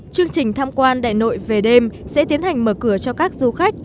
chương trình tham quan đại nội về đêm sẽ tiến hành mở cửa cho các du khách